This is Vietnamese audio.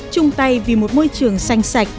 trung tay vì một môi trường xanh sạch